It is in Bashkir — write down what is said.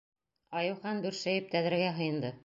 Айыухан бөршәйеп тәҙрәгә һыйынды.